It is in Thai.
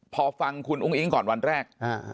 พอฟังคุณอุ้งอิ๊งก่อนวันแรก